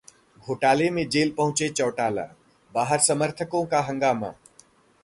घोटाले में जेल पहुंचे चौटाला, बाहर समर्थकों का हंगामा